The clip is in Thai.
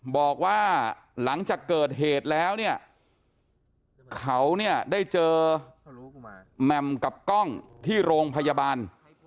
บอกว่าหลังจากเกิดเหตุแล้วเนี่ยเขาเนี่ยได้เจอแหม่มกับกล้องที่โรงพยาบาล